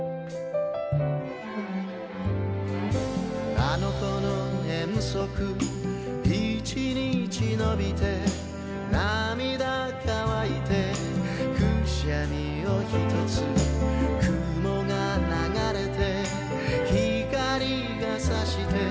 「あの子の遠足一日のびて」「涙かわいてくしゃみをひとつ」「雲が流れて」「光がさして」